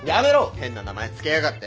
変な名前つけやがって。